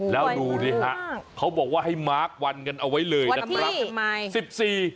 แล้วดูนี่นะคะเขาบอกว่าให้มาร์ควันกันเอาไว้เลยนะครับ